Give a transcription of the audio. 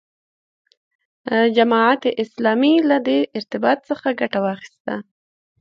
جماعت اسلامي له دې ارتباط څخه ګټه واخیسته.